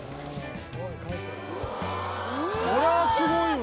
「これはすごいわ！」